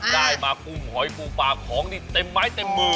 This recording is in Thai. ได้มากุ้มหอยปูปลาของนี่เต็มไม้เต็มมือ